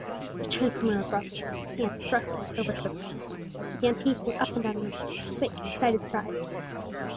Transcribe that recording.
He turned from her abruptly, and, with his hands thrust in his overcoat pockets, began pacing up and down the room with quick, excited strides.